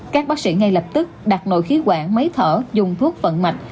các bác sĩ ngay lập tức đặt nội khí quản máy thở dùng thuốc vận mạch